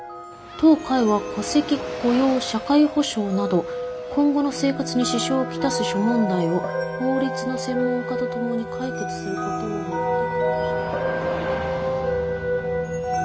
当会は戸籍雇用社会保障など今後の生活に支障を来す諸問題を法律の専門家と共に解決することを目的として」。